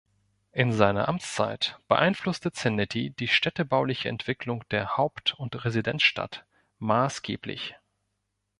In seiner Amtszeit beeinflusste Zenetti die städtebauliche Entwicklung der Haupt- und Residenzstadt maßgeblich.